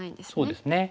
そうですね。